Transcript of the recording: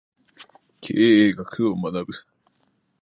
経営学を学ぶ